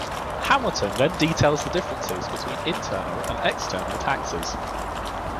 Hamilton then details the differences between internal and external taxes.